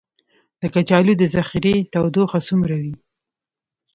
د کچالو د ذخیرې تودوخه څومره وي؟